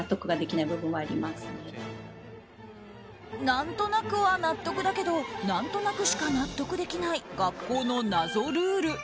何となくは納得だけど何となくしか納得できない学校の謎ルール。